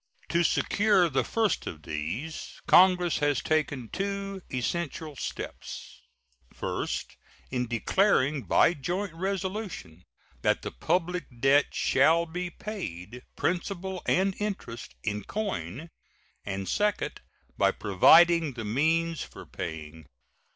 To secure the first of these, Congress has taken two essential steps: First, in declaring by joint resolution that the public debt shall be paid, principal and interest, in coin; and, second, by providing the means for paying.